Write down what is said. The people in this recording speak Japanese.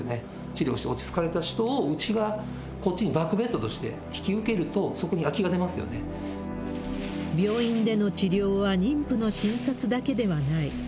治療して落ち着かれた人を、うちがこっちにバックベッドとして引き受けると、病院での治療は妊婦の診察だけではない。